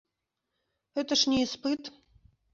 Гэта ж не іспыт.